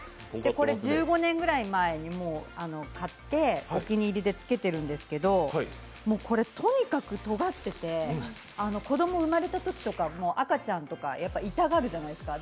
これ１５年くらい前に買って、お気に入りでつけてるんですけど、これ、とにかくとがってて子供が生まれたときとかも、赤ちゃんとか痛がるじゃないですか。